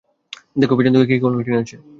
দেখো, পেছন থেকে কে কলকাঠি নাড়ছে?